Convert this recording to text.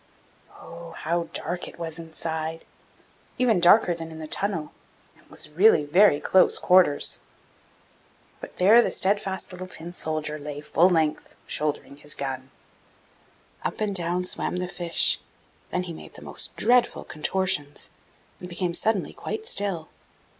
Oh! how dark it was inside, even darker than in the tunnel, and it was really very close quarters! But there the steadfast little Tin soldier lay full length, shouldering his gun. Up and down swam the fish, then he made the most dreadful contortions, and became suddenly quite still.